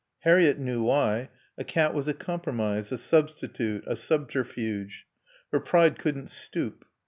Harriett knew why. A cat was a compromise, a substitute, a subterfuge. Her pride couldn't stoop.